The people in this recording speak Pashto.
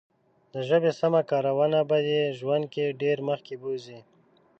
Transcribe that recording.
د ژبې سمه کارونه به دې ژوند کې ډېر مخکې بوزي.